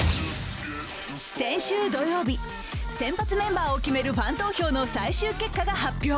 先週土曜日、先発メンバーを決めるファン投票の最終結果が発表。